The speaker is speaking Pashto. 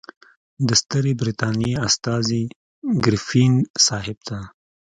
د ستري برټانیې استازي ګریفین صاحب ته.